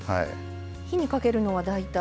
火にかけるのは大体？